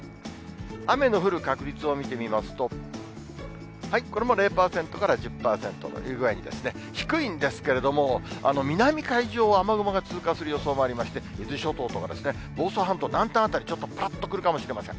雨の降る確率を見てみますと、これも０％から１０％という具合に、低いんですけれども、南海上を雨雲が通過する予想もありまして、伊豆諸島とか、房総半島南端辺り、ちょっとぱらっとくるかもしれません。